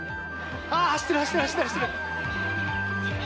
走ってる、走ってる走ってる。